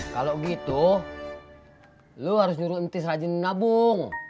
kalau gitu lo harus nyuruh intis rajin nabung